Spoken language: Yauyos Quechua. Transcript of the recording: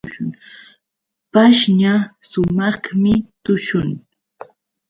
Pashña sumaqmi tushun.